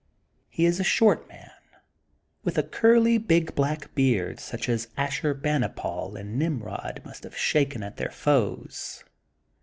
He is a short man, with a curly big black beard such as Ashurbanipal and Nimrod must have shaken at their foes.